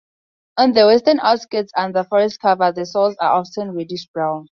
On the western outskirts under forest cover, the soils are often reddish brown.